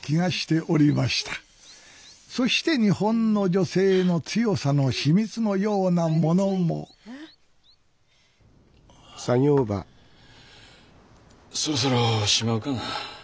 そして日本の女性の強さの秘密のようなものもそろそろしまうかな。